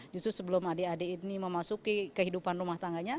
justru sebelum adik adik ini memasuki kehidupan rumah tangganya